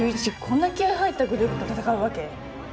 こんな気合入ったグループと戦うわけ？